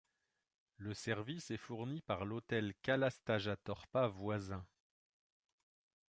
Le service est fourni par l'hôtel Kalastajatorppa voisin.